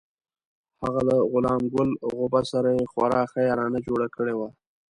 هغه له غلام ګل غوبه سره یې خورا ښه یارانه جوړه کړې وه.